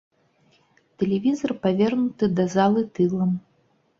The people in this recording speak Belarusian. Тэлевізар павернуты да залы тылам.